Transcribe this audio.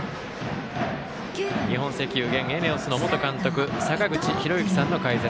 日本石油、現ＥＮＥＯＳの元監督、坂口裕之さんの解説。